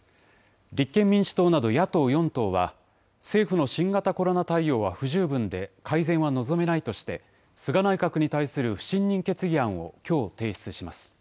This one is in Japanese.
立憲民主党など野党４党は、政府の新型コロナ対応は不十分で改善は望めないとして、菅内閣に対する不信任決議案をきょう提出します。